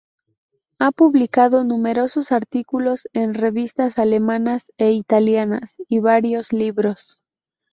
Ha publicado numerosos artículos en revistas alemanas e italianas y varios libros.